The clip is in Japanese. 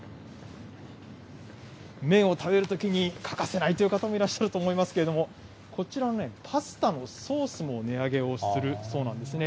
麺を食べるときに欠かせないという方もいらっしゃると思いますけれども、こちらのパスタのソースも値上げをするそうなんですね。